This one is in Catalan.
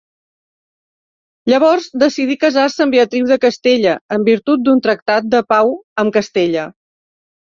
Llavors decidí casar-se amb Beatriu de Castella en virtut d'un tractat de Pau amb Castella.